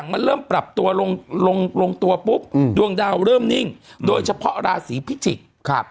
มันเริ่มปรับตัวลงตัวปุ๊บดวงดาวเริ่มนิ่งโดยเฉพาะราศีพิจิกษ์